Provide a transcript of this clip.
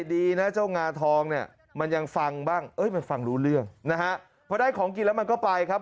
ดีนะเจ้างาทองเนี่ยมันยังฟังบ้างเอ้ยมันฟังรู้เรื่องนะฮะพอได้ของกินแล้วมันก็ไปครับ